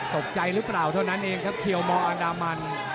ตกใจหรือเปล่าเท่านั้นเองครับเทียวมองอันดามัน